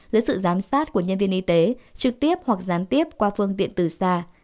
dưới sự giám sát của nhân viên y tế trực tiếp hoặc gián tiếp qua phương tiện từ xa